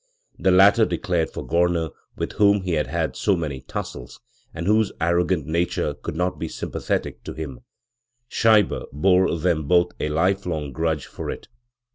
The latter declared for Gorner, with whom he had had so many tussles, and whose arrogant nature could not be sym pathetic to him, Scheibe bore them both a life long grudge for it.